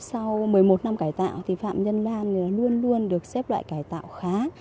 sau một mươi một năm cải tạo thì phạm nhân lan luôn luôn được xếp loại cải tạo khá